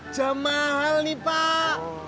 jam mahal nih pak